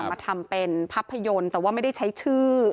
มาทำเป็นภาพยนตร์แต่ว่าไม่ได้ใช้ชื่อ